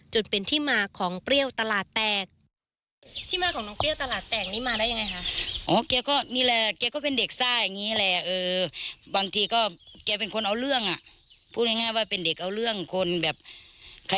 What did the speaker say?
จนเป็นที่มาของเปรี้ยวตลาดแตก